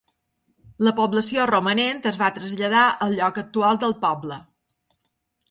La població romanent es va traslladar al lloc actual del poble.